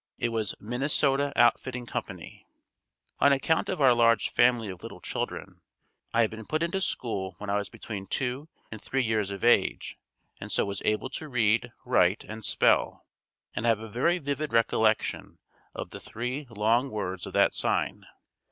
It was "Minnesota Outfitting Company." On account of our large family of little children, I had been put into school when I was between two and three years of age and so was able to read, write and spell, and I have a very vivid recollection of the three long words of that sign.